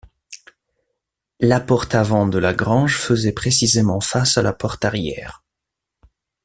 La porte avant de la grange faisait précisément face à la porte arrière.